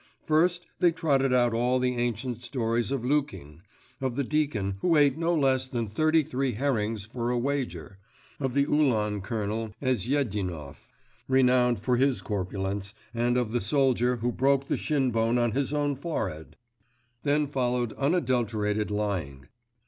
First, they trotted out all the ancient stories of Lukin, of the deacon who ate no less than thirty three herrings for a wager, of the Uhlan colonel, Ezyedinov, renowned for his corpulence, and of the soldier who broke the shin bone on his own forehead; then followed unadulterated lying.